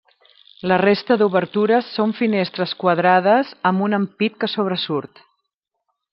La resta d'obertures són finestres quadrades amb un ampit que sobresurt.